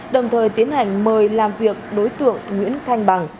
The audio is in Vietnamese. đồng thời tiến hành mời làm việc đối tượng nguyễn thanh bằng